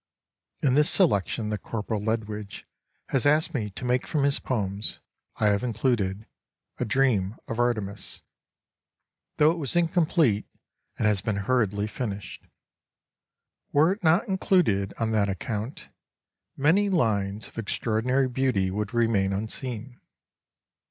IN this selection that Corporal Ledwidge has asked me to make from his poems I have included " A Dream of Artemis," though it was incomplete and has been hurriedly finished. Were it not included on that account many lines of extraordinary beauty would remain unseen.